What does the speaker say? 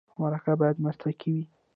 مرکه باید مسلکي وي.